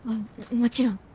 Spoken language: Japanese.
もちろん。